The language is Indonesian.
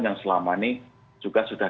yang selama ini juga sudah